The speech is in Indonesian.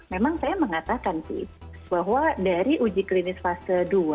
memang saya mengatakan sih bahwa dari uji klinis fase dua